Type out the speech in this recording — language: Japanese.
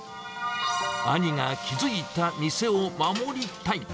兄が築いた店を守りたい。